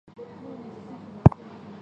你没有人生